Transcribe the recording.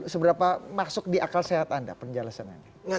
seberapa masuk di akal sehat anda penjelasannya